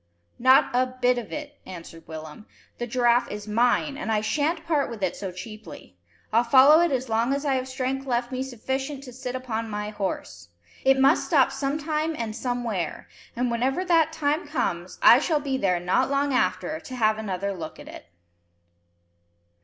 "Not a bit of it," answered Willem. "The giraffe is mine, and I sha'n't part with it so cheaply. I'll follow it as long as I have strength left me sufficient to sit upon my horse. It must stop sometime and somewhere; and, whenever that time comes, I shall be there not long after to have another look at it."